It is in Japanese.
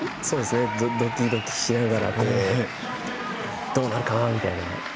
ドキドキしながらどうなるかなみたいな。